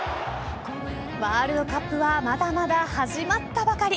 ワールドカップはまだまだ始まったばかり。